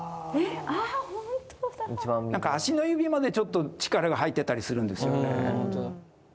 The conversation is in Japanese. なんか足の指までちょっと力が入ってたりするんですよね。